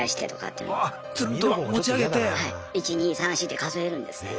１２３４って数えるんですね。